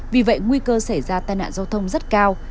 vì vậy nguy cơ xảy ra tai nạn giao thông rất cao